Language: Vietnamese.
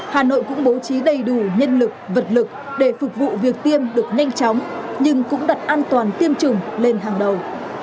hà nội cũng bố trí đầy đủ nhân lực vật lực để phục vụ việc tiêm được nhanh chóng nhưng cũng đặt an toàn tiêm chủng lên hàng đầu